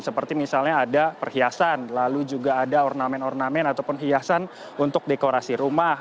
seperti misalnya ada perhiasan lalu juga ada ornamen ornamen ataupun hiasan untuk dekorasi rumah